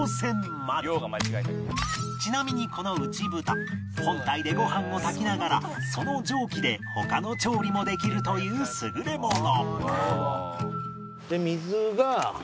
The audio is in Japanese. ちなみにこの内蓋本体でご飯を炊きながらその蒸気で他の調理もできるという優れもの